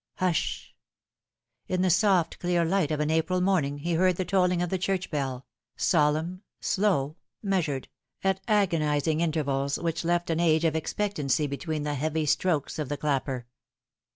Hush I In the soft clear light of an April morning he heard the tolling of the church bell, solemn, slow, measured, at Darkness. 277 agonising intervals, which left an age of expectancy between the heavy strokes of the clapper.